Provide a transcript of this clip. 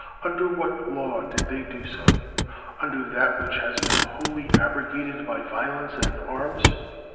Under what law did they do so ? Under that which has been wholly abrogated by violence and arms